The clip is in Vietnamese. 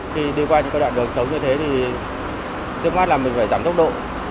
khi đi qua những cái đoạn đường xấu như thế thì trước mắt là mình phải giảm tốc độ